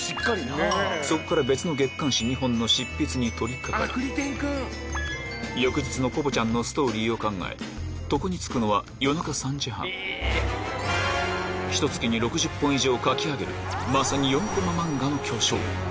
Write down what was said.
そこから別の月刊誌２本の執筆に取り掛かり翌日の『コボちゃん』のストーリーを考え床に就くのは夜中３時半描き上げるまさに４コマ漫画の巨匠